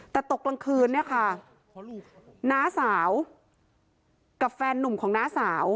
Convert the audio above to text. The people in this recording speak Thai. แต่ตกกลางคืนเนี่ยค่ะน้าสาวกับแฟนนุ่มของน้าสาว